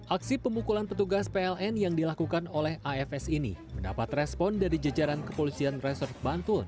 aksi pemukulan petugas pln yang dilakukan oleh afs ini mendapat respon dari jajaran kepolisian resort bantul